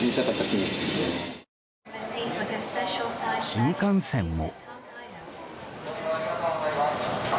新幹線も。